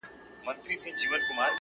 كلي كي ملا سومه _چي ستا سومه _